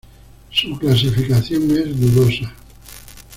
Su clasificación es dudosa.